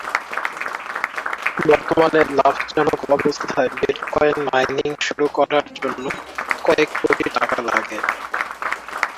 বর্তমানে লাভজনক অবস্থায় বিটকয়েন মাইনিং শুরু করার জন্য কয়েক কোটি টাকা লাগে।